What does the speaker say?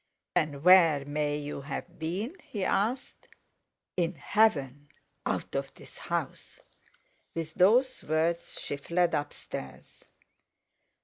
"And where may you have been?" he asked. "In heaven—out of this house!" With those words she fled upstairs.